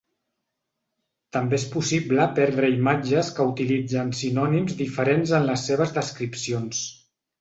També és possible perdre imatges que utilitzen sinònims diferents en les seves descripcions.